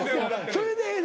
それでええねん。